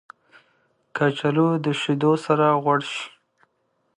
کچالو د شیدو سره غوړ شي